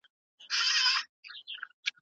پر هندو او مسلمان یې سلطنت وو